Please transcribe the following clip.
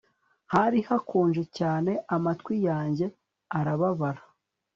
Hari hakonje cyane amatwi yanjye arababara